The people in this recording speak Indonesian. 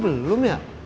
belum belum ya